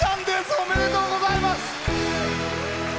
おめでとうございます。